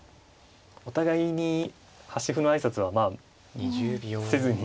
お互いに端歩の挨拶はまあせずに。